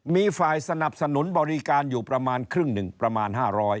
มีฝ่ายสนับสนุนบริการอยู่ประมาณครึ่งหนึ่งประมาณ๕๐๐